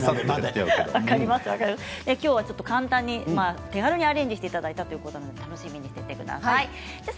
簡単にアレンジしていただいたということで楽しみにしていてください。